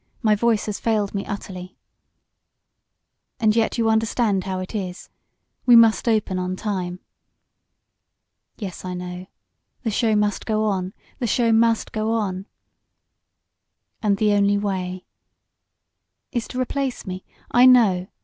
My voice has failed me utterly." "And yet and yet you understand how it is. We must open on time." "Yes, I know. The show must go on the show must go on."' "And the only way " "Is to replace me. I know.